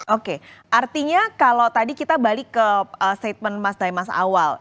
oke artinya kalau tadi kita balik ke statement mas daemas awal